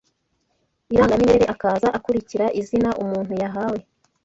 irangamimerere akaza akurikira izina umuntu yahawe